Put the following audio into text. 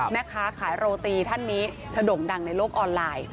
แม่ค้าขายโรตีท่านนี้เธอโด่งดังในโลกออนไลน์